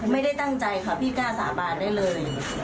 ไม่ได้ตั้งใจค่ะพี่กล้าสาบานได้เลย